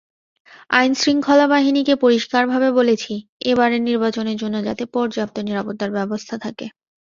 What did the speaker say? আইনশৃঙ্খলা বাহিনীকে পরিষ্কারভাবে বলেছি, এবারের নির্বাচনের জন্য যাতে পর্যাপ্ত নিরাপত্তার ব্যবস্থা থাকে।